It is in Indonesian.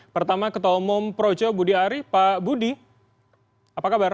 pertama ketua umum projo budi ari pak budi apa kabar